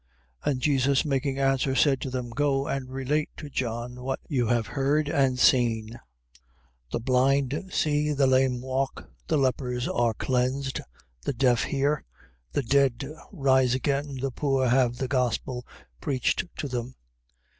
11:4. And Jesus making answer said to them: Go and relate to John what you have heard and seen. 11:5. The blind see, the lame walk, the lepers are cleansed, the deaf hear, the dead rise again, the poor have the gospel preached to them.